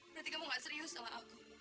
berarti kamu gak serius sama aku